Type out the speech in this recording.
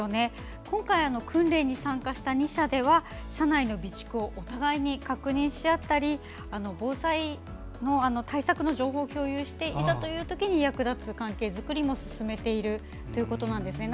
今回訓練に参加した２社では社内の備蓄をお互いに確認し合ったり防災の対策の状況を共有していざというときに役立つ関係作りも進めているということです。